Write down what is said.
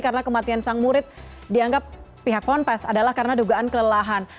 karena kematian sang murid dianggap pihak konfes adalah karena dugaan kelelahan